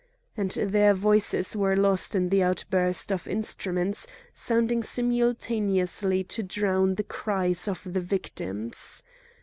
And their voices were lost in the outburst of instruments sounding simultaneously to drown the cries of the victims.